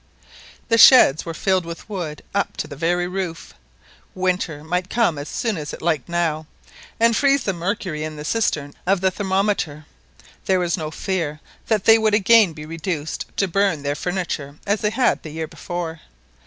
The sheds were filled with wood up to the very roof. Winter might come as soon as it liked now, and freeze the mercury in the cistern of the thermometer, there was no fear that they would again be reduced to burn their furniture as they had the year before.